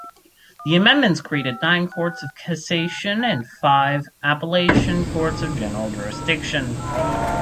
The amendments created nine courts of cassation and five appellation courts of general jurisdiction.